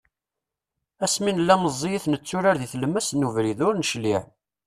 Asmi nella meẓẓiyit netturar di tlemmast n ubrid, ur necliε.